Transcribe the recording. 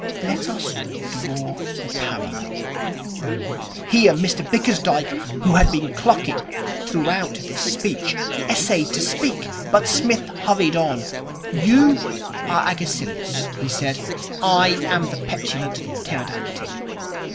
Let us draw the parallel.' Here Mr Bickersdyke, who had been clucking throughout this speech, essayed to speak; but Psmith hurried on. 'You are Agesilaus,' he said. 'I am the Petulant Pterodactyl.